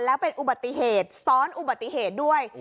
แล้วเป็นอุบัติเหตุซ้อนอุบัติเหตุด้วย